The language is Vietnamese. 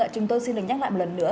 chúng tôi xin đồng nhắc lại một lần nữa